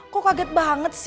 kok kaget banget sih